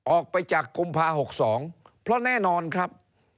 ออกไปจากกุมภา๖๒เพราะแน่นอนครับ